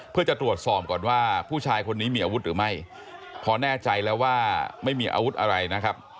เพื่อจะตรวจสอบก่อนว่าผู้ชายคนนี้มีอาวุธหรือไม่พอแน่ใจแล้วว่าไม่มีอาวุธอะไรนะครับ